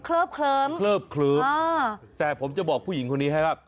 เคลือบเคลือบแต่ผมจะบอกผู้หญิงคนนี้ให้ครับ